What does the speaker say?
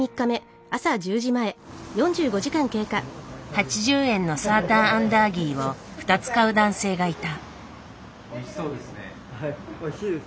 ８０円のサーターアンダーギーを２つ買う男性がいた。